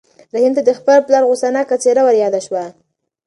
رحیم ته د خپل پلار غوسه ناکه څېره وریاده شوه.